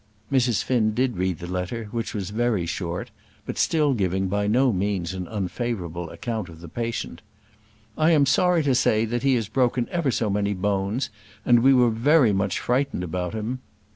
Mrs. Finn did read the letter, which was very short, but still giving by no means an unfavourable account of the patient. "I am sorry to say he has broken ever so many bones, and we were very much frightened about him."